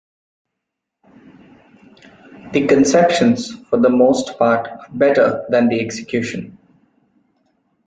The conceptions for the most part are better than the execution.